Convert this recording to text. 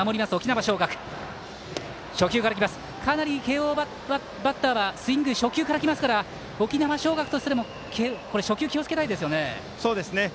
慶応バッターはスイング、初球からきますから沖縄尚学とすれば初球気をつけたいですよね。